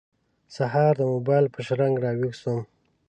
سهار د موبایل په شرنګ راوېښ شوم.